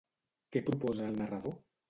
Què proposa el narrador?